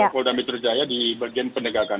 polda mitrujaya di bagian pendegakan